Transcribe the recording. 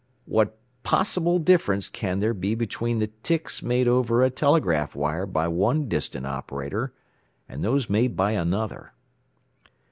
What possible difference can there be between the ticks made over a telegraph wire by one distant operator, and those made by another?"